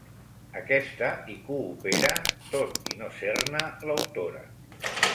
Aquesta hi coopera, tot i no ser-ne l'autora.